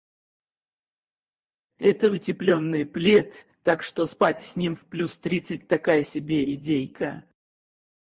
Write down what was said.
Это утеплённый плед, так что спать с ним в плюс тридцать такая себе идейка.